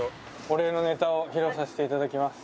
お礼のネタを披露させていただきます。